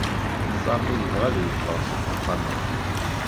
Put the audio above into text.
Sami yebɣa ad yeffeɣ seg uxxam-a.